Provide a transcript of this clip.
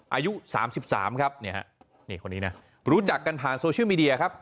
อายุ๓๓ครับเนี่ยฮะนี่คนนี้นะรู้จักกันผ่านโซเชียลมีเดียครับ